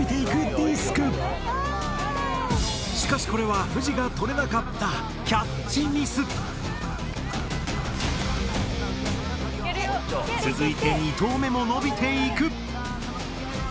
しかしこれはフジが取れなかった続いて２投目も伸びていく。